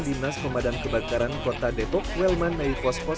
dinas pemadam kebakaran kota depok welman neifos pos